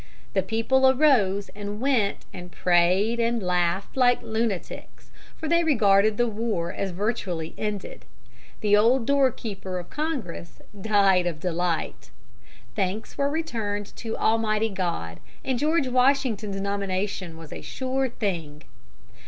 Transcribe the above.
the people arose and went and prayed and laughed like lunatics, for they regarded the war as virtually ended. The old door keeper of Congress died of delight. Thanks were returned to Almighty God, and George Washington's nomination was a sure thing.